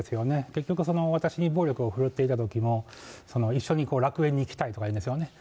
結局、私に暴力を振るっていたときも、一緒に楽園に行きたいとか言うんですよね。